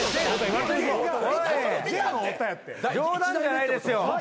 冗談じゃないですよ。